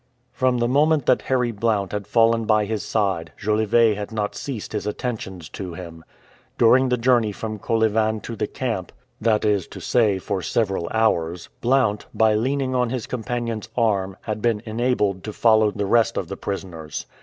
From the moment that Harry Blount had fallen by his side, Jolivet had not ceased his attentions to him. During the journey from Kolyvan to the camp that is to say, for several hours Blount, by leaning on his companion's arm, had been enabled to follow the rest of the prisoners.